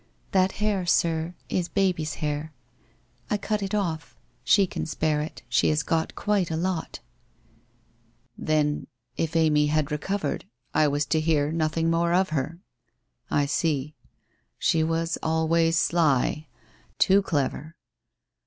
That hair, sir, is Baby's hair. I cut it off. She can spare it. She has got quite a lot/ 'Then if Amy bad recovered I was to hear nothing more of her. 1 see. She was always sly. Too clever.